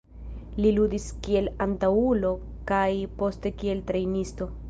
Li ludis kiel antaŭulo kaj poste kiel trejnisto.